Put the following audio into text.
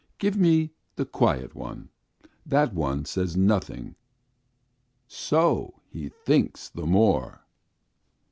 Give me the quiet one! That one says nothing, so he thinks the more.